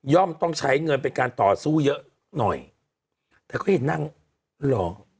ย่อมต้องใช้เงินเป็นการต่อสู้เยอะหน่อยแต่ก็ยังนั่งรอ